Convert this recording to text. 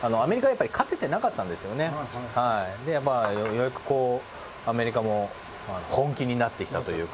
ようやくこうアメリカも本気になってきたというか。